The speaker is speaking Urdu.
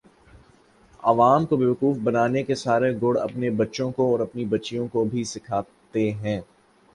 عوام کو بیوقوف بنانے کے سارے گُر اپنے بچوں کو اور اپنی بچیوں کو بھی سیکھاتے ہیں